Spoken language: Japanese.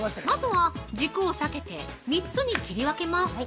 まずは軸を避けて、３つに切り分けます。